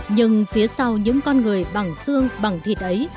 nhưng phía sau những con người bằng xương bằng thịt ấy